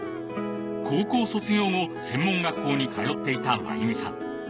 高校卒業後専門学校に通っていたマユミさん。